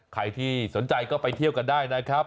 ใครที่สนใจก็ไปเที่ยวกันได้นะครับ